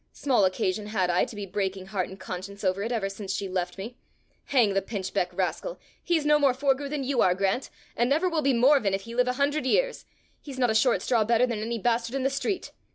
Small occasion had I to be breaking heart and conscience over it ever since she left me! Hang the pinchbeck rascal! he's no more Forgue than you are, Grant, and never will be Morven if he live a hundred years! He's not a short straw better than any bastard in the street!